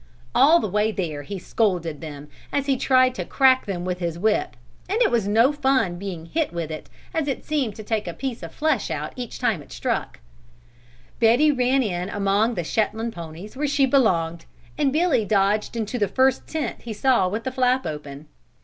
All the way there he scolded them as he tried to crack them with his whip, and it was no fun being hit with it as it seemed to take a piece of flesh out each time it struck. Betty ran in among the Shetland ponies where she belonged and Billy dodged into the first tent he saw with the flap open.